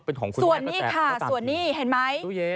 ส่วนนี้ค่ะส่วนนี้เห็นไหม